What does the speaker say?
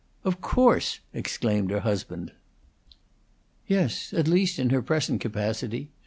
"Of course!" exclaimed her husband. "Yes at least in her present capacity.